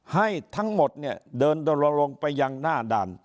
ให้ทั้งหมดเดินลงไปอย่างหน้าด่าน